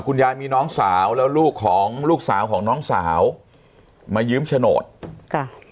คุณยายมีน้องสาวแล้วลูกของลูกสาวของน้องสาวมายืมโฉนดค่ะ